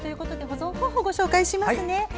保存方法をご紹介します。